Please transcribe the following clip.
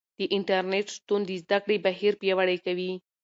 د انټرنیټ شتون د زده کړې بهیر پیاوړی کوي.